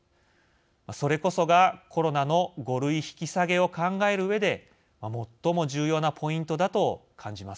それこそが、コロナの５類引き下げを考えるうえで最も重要なポイントだと感じます。